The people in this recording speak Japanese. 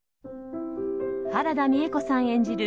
原田美枝子さん演じる